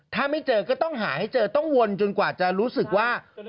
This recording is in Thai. ถ้าไม่เจอก็ต้องหาให้เจอต้องวนจนกว่าจะรู้สึกว่า